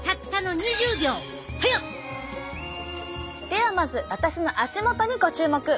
ではまず私の足元にご注目！